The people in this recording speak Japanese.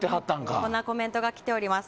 こんなコメントが来ています。